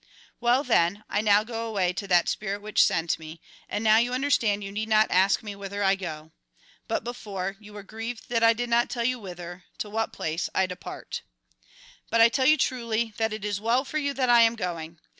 " Well then, I now go away to that Spirit which ' sent me ; and now you understand, you need not ask me whither I go. But before, you were grieved that I did not tell you whither, to what place, 1 depart. " But I tell you truly that it is well for you that I4Z THE GOSPEL IN BRIEF I am going.